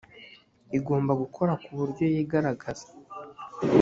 igomba gukora ku buryo yigaragaza